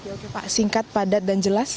oke pak singkat padat dan jelas